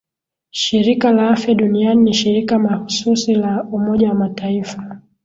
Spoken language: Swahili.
shirika la afya duniani ni shirika makhsusi la Umoja wa Mataifa